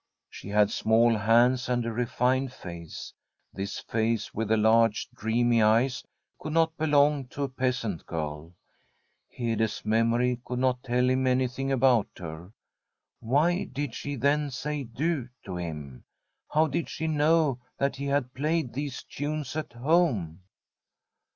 She had small hands and a refined face. This face, with the large, dreamy eyes, could not belong to a peasant girl. Hede's memory could not tell him any thing about her. Why did she, then, say ' du ' to him? How did she know that he had played these tunes at home